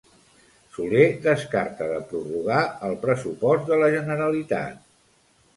Soler descarta de prorrogar el pressupost de la Generalitat.